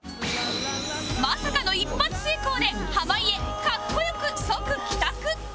まさかの一発成功で濱家かっこよく即帰宅